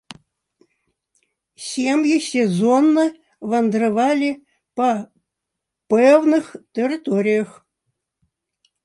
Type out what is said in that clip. Сем'і сезонна вандравалі па пэўных тэрыторыях.